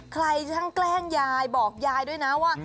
ใครช่างแกล้งยายบอกยายด้วยนะว่า